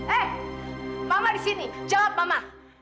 eh mama disini jawab mama